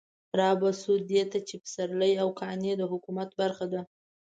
رابه شو دې ته چې پسرلي او قانع د حکومت برخه ده.